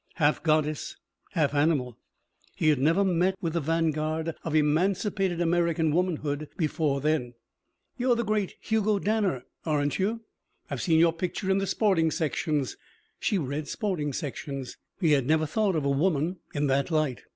Half goddess, half animal. He had never met with the vanguard of emancipated American womanhood before then. "You're the great Hugo Danner, aren't you? I've seen your picture in the sporting sections." She read sporting sections. He had never thought of a woman in that light.